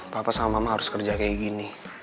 papa sama mama harus kerja kayak gini